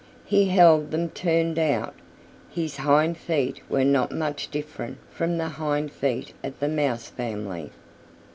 He held them turned out. His hind feet were not much different from the hind feet of the Mouse family.